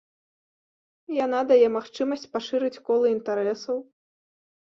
Яна дае магчымасць пашырыць кола інтарэсаў.